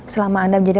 selama anda menjadi